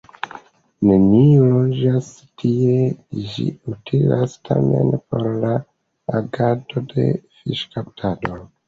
Neniu loĝas tie, ĝi utilas tamen por la agado de fiŝkaptado.